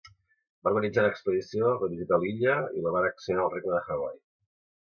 Va organitzar una expedició, va visitar l'illa i la va annexionar al regne de Hawaii.